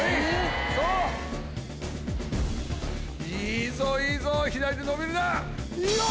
いいぞいいぞ左手伸びるな。